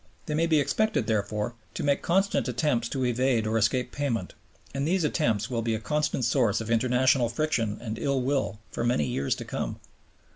They may be expected, therefore, to make constant attempts to evade or escape payment, and these attempts will be a constant source of international friction and ill will for many years to come.